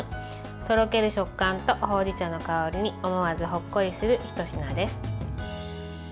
とろける食感とほうじ茶の香りに思わずほっこりする、ひと品です。